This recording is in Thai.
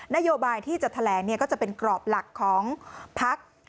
นโยบายที่จะแถลงก็จะเป็นกรอบหลักของพัก